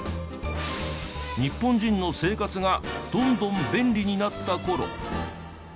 日本人の生活がどんどん便利になった頃。